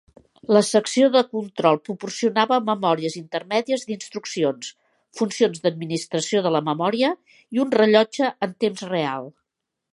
La secció de control proporcionava memòries intermèdies d'instruccions, funcions d'administració de la memòria i un rellotge en temps real.